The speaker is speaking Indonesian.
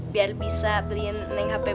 biar bisa beliin naik hp baru ya